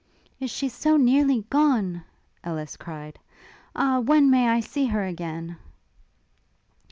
Is she so nearly gone? Ellis cried; Ah! when may I see her again?